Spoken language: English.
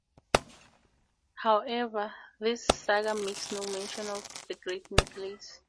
However, this saga makes no mention of the great necklace.